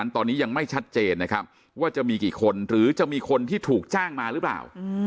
ตอนนี้ยังไม่ชัดเจนนะครับว่าจะมีกี่คนหรือจะมีคนที่ถูกจ้างมาหรือเปล่า